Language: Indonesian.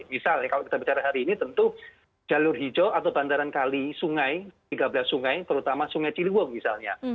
misalnya kalau kita bicara hari ini tentu jalur hijau atau bandaran kali sungai tiga belas sungai terutama sungai ciliwung misalnya